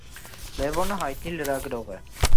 Լևոնը հայտնի լրագրող է։